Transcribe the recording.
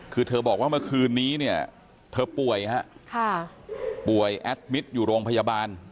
คือเธอบอกว่าเมื่อคืนนี้เนี่ยเธอป่วยฮะป่วยแอดมิตรอยู่โรงพยาบาล